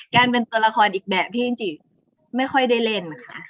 การเป็นตัวละครอีกแบบพี่จินจิไม่ค่อยได้เล่นค่ะ